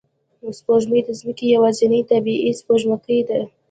سپوږمۍ د ځمکې یوازینی طبیعي سپوږمکۍ ده